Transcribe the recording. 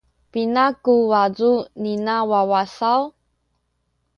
Pina ku wacu nina wawa saw?